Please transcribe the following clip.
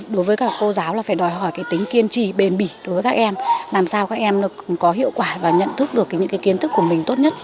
đối với các cô giáo là phải đòi hỏi cái tính kiên trì bền bỉ đối với các em làm sao các em có hiệu quả và nhận thức được những kiến thức của mình tốt nhất